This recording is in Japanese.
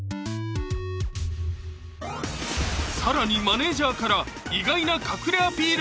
更にマネージャーから意外な隠れアピール